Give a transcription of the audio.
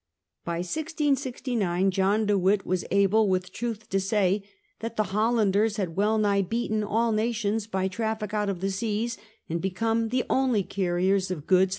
By 1669 John de Witt was able with truth to say that * the Hollanders had well nigh beaten all nations by traffic out if the seas, and become the only carriers of goods n »5 i